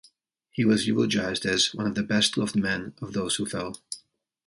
He was eulogised as "one of the best loved men of those who fell".